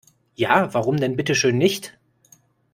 Ja, warum denn bitteschön nicht?